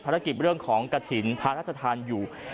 ภารกิจเรื่องของกระถิ่นพระราชธรรมีอยู่